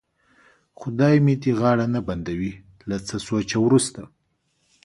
خدای مې دې غاړه نه بندوي، له څه سوچه وروسته.